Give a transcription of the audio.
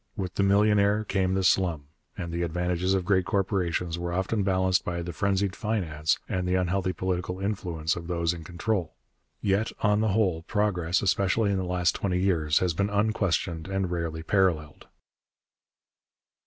With the millionaire came the slum, and the advantages of great corporations were often balanced by the 'frenzied finance' and the unhealthy political influence of those in control. Yet, on the whole, progress, especially in the last twenty years, has been unquestioned and rarely paralleled.